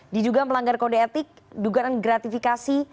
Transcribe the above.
di juga melanggar kode etik dugaan gratifikasi